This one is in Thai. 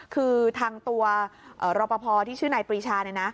คือทางตัวรอปภที่ชื่อนายปริชา